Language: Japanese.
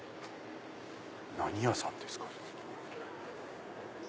何屋さんですかね。